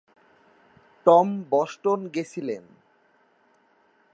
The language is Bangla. টম বস্টন গেছিলেন।